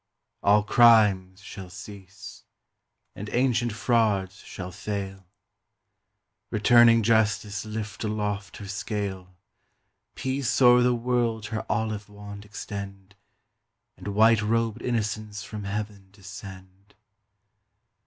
All crimes shall cease, and ancient frauds shall fail; Returning Justice lift aloft her scale; Peace o'er the world her olive wand extend, And white robed Innocence from Heaven descend.